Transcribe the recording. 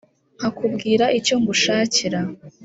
nkakubwira icyo ngushakira”